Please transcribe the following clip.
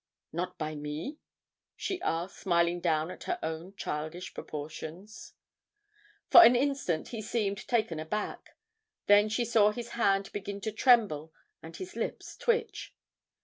"Not by me?" she asked, smiling down at her own childish proportions. For an instant he seemed taken aback, then she saw his hand begin to tremble and his lips twitch.